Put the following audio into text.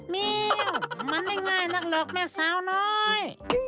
มิวมันไม่ง่ายนักหรอกแม่สาวน้อย